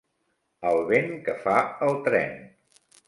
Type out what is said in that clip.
El vent que fa el tren.